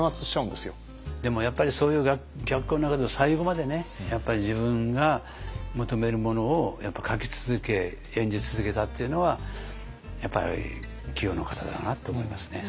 でもやっぱりそういう逆境の中で最後までね自分が求めるものを書き続け演じ続けたっていうのはやっぱり器用な方だなと思いますね。